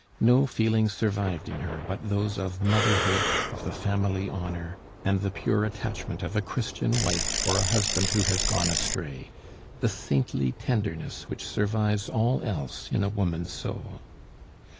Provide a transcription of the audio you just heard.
No feeling survived in her but those of motherhood, of the family honor, and the pure attachment of a Christian wife for a husband who has gone astray the saintly tenderness which survives all else in a woman's soul.